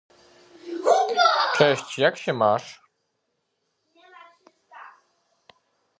Spoglądanie tylko w stronę Rosji czy czekanie na nową wojnę zimową prowadzi donikąd